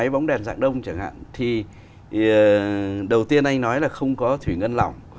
bóng đèn dạng đông chẳng hạn thì đầu tiên anh nói là không có thủy ngân lỏng